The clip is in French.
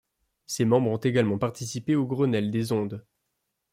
Ces membres ont également participé aux Grenelle des ondes.